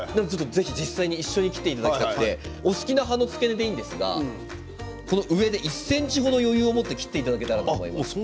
実際に一緒に切っていただきたくてお好きな葉の付け根でいいんですが上に１ｃｍ程、余裕を持って切っていただけたらと思います。